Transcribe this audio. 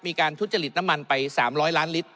มีการทุจจลิตน้ำมันไป๓๐๐ล้านลิตร